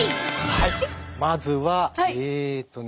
はいまずはえっとね。